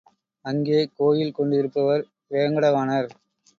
அங்கே கோயில் கொண்டிருப்பவர் வேங்கடவாணர்.